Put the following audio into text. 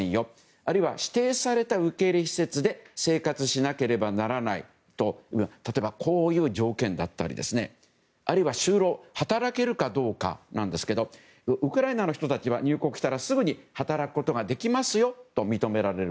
あるいは、指定された受け入れ施設で生活しなければならないと例えば、こういう条件だったりあるいは就労働けるかどうかですがウクライナの人たちは入国したらすぐに働くことができますよと認められる。